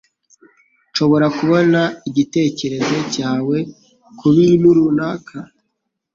Nshobora kubona igitekerezo cyawe kubintu runaka?